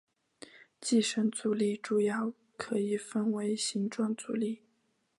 寄生阻力主要可以分为形状阻力。